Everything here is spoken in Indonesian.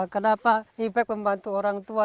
kenapa feepec membantu orang tua